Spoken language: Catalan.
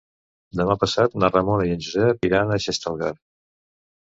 Demà passat na Ramona i en Josep iran a Xestalgar.